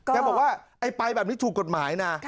แกบอกว่าไอ้ไปแบบนี้ถูกกฎหมายนะ